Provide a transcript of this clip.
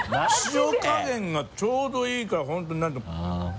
塩加減がちょうどいいから本当に何て言うの？